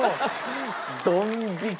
ドン引き。